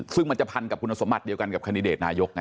ซึ่งมันจะพันกับคุณสมบัติเดียวกันกับคันดิเดตนายกไง